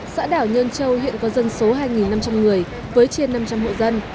xã đảo nhân châu hiện có dân số hai năm trăm linh người với trên năm trăm linh hộ dân